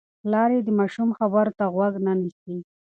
پلار یې د ماشوم خبرو ته غوږ نه نیسي.